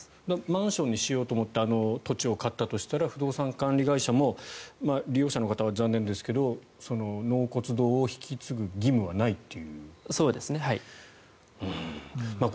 マンションにしようと思ってあの土地を買ったとしたら不動産管理会社も利用者の方は残念ですけど納骨堂を引き継ぐ義務はないと。